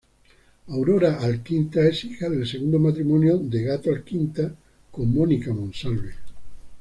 Aurora Alquinta es hija del segundo matrimonio de Gato Alquinta, con Mónica Monsalve.